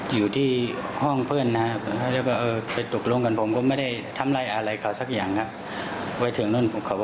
รู้จักกันผ่านเว็บบุ๊คครับ